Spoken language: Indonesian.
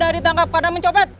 tidak ada yang mencopot